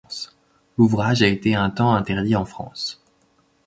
L'ouvrage a été un temps interdit en France.